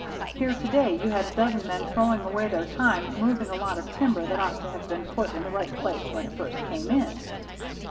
Here to day you had a dozen men throwing away their time moving a lot of timber that ought to have been put in the right place when it first came in."